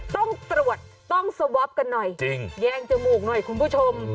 ต้องตรวจต้องสวอปกันหน่อยจริงแยงจมูกหน่อยคุณผู้ชม